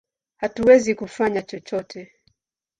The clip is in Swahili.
Hatuwezi kufanya chochote!